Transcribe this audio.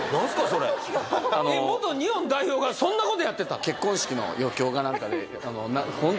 それ元日本代表がそんなことやってたん？